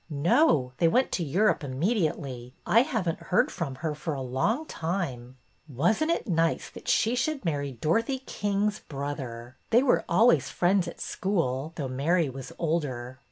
No ; they went to Europe immediately. I haven't heard from her for a long time." '' Was n't it nice that she should marry Dorothy King's brother? They were always friends at school,^ though Mary was older."